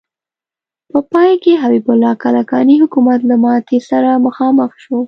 په پای کې حبیب الله کلکاني حکومت له ماتې سره مخامخ شو.